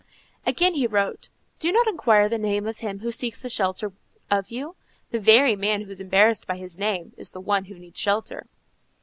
Again he wrote: "Do not inquire the name of him who asks a shelter of you. The very man who is embarrassed by his name is the one who needs shelter."